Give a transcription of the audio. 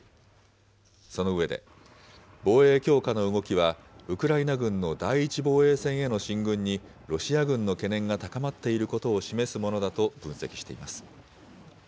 その上で、防衛強化の動きはウクライナ軍の第１防衛線への進軍にロシア軍の懸念が高まっていることを示すものだと分析しています。